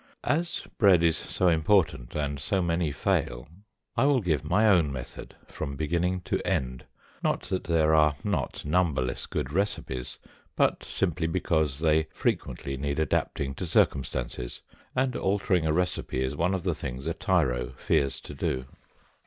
As bread is so important, and so many fail, I will give my own method from beginning to end; not that there are not numberless good recipes, but simply because they frequently need adapting to circumstances, and altering a recipe is one of the things a tyro fears to do.